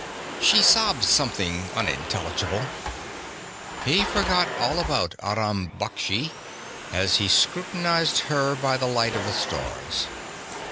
She sobbed something unintelligible. He forgot all about Aram Baksh as he scrutinized her by the light of the stars.